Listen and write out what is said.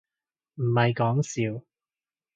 唔係講笑